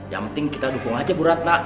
yang penting kita dukung aja bu ratna